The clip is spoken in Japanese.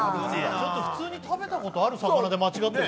普通に食べたことある魚で間違ってる。